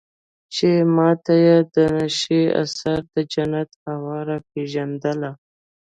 چې ما ته يې د نشې اثر د جنت هوا راپېژندله.